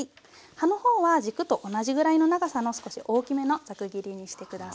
葉の方は軸と同じぐらいの長さの少し大きめのザク切りにして下さい。